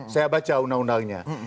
saya baca undang undangnya